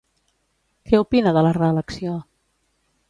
Què opina de la reelecció?